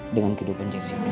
dengan kehidupan jessica